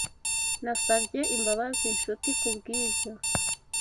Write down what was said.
Nasabye imbabazi Nshuti kubwibyo.